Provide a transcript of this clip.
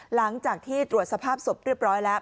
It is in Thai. หลังจากที่ตรวจสภาพศพเรียบร้อยแล้ว